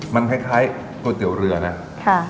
มันคล้ายตัวเตี๋ยวเรือน่ะค่ะ